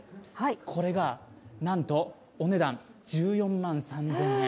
これがなんと、お値段１４万３０００円。